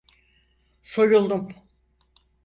Soyuldum…